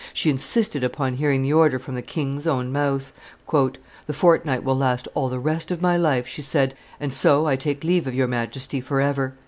She insisted upon hearing the order from the king's own mouth. "The fortnight will last all the rest of my life," she said: "and so I take leave of your Majesty forever."